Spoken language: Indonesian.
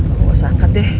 aku harus angkat deh